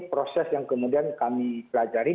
proses yang kemudian kami pelajari